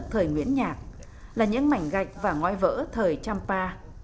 thời nguyễn nhạc là những mảnh gạch và ngoài vỡ thời champa